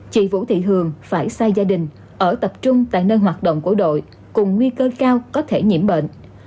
chị vũ thị hường phải sai gia đình ở tập trung tại nơi hoạt động của đội cùng nguy cơ cao có thể nhiễm bệnh